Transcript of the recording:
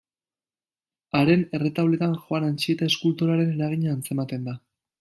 Haren erretauletan Juan Antxieta eskultorearen eragina antzematen da.